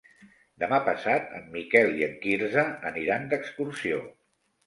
Demà passat en Miquel i en Quirze aniran d'excursió.